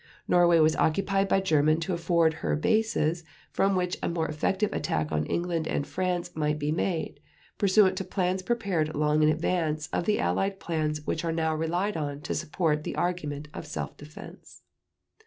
Norway was occupied by Germany to afford her bases from which a more effective attack on England and France might be made, pursuant to plans prepared long in advance of the Allied plans which are now relied on to support the argument of self defense.